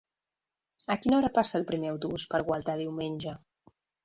A quina hora passa el primer autobús per Gualta diumenge?